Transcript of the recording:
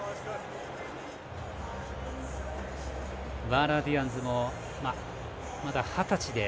ワーナー・ディアンズもまだ二十歳で。